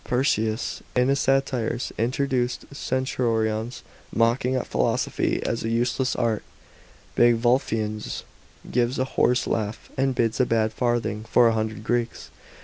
Persius, in his satires, introduces centurions mocking at philosoi hy as a useless art. " Big Vulfenius gives a hoarse laugh, and bids a bad farthing for a hundred Greeks."